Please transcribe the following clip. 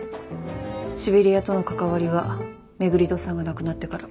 シベリアとの関わりは廻戸さんが亡くなってから。